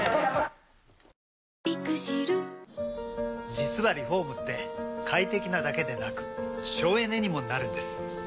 実はリフォームって快適なだけでなく省エネにもなるんです。